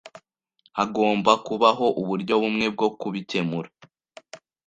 Hagomba kubaho uburyo bumwe bwo kubikemura.